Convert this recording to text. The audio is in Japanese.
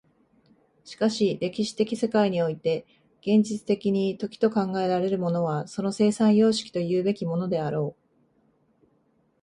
しかし歴史的世界において現実的に時と考えられるものはその生産様式というべきものであろう。